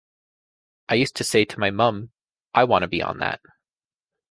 I used to say to my mum: I wanna be on that!